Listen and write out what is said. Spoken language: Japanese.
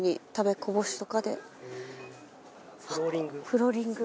フローリング？